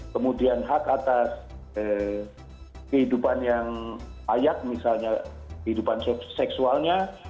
kemudian hak atas kehidupan yang ayat misalnya kehidupan seksualnya